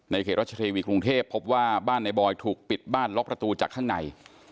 เขตรัชเทวีกรุงเทพพบว่าบ้านในบอยถูกปิดบ้านล็อกประตูจากข้างใน